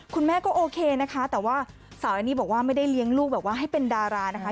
คุณแม่ก็โอเคนะคะแต่ว่าสาวอันนี้บอกว่าไม่ได้เลี้ยงลูกแบบว่าให้เป็นดารานะคะ